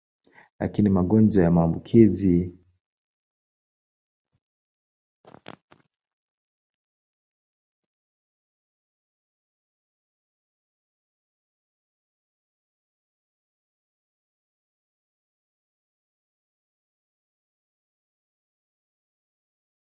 Lakini magonjwa ya kuambukizwa mengine hayana tiba hadi leo na magonjwa mapya yanaweza kutokea.